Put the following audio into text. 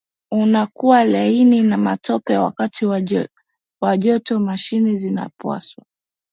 unakuwa laini na matope wakati wa joto mashine zinapaswa